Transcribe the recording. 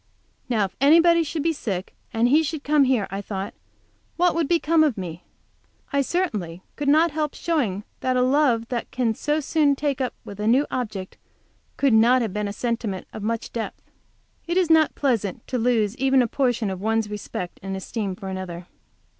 Now if anybody should be sick, and he should come here, I thought, what would become of me? I certainly could not help showing that a love that can so soon take up with a new object could not have been a sentiment of much depth. It is not pleasant to lose even a portion of one's respect and esteem for another.